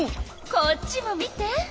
こっちも見て！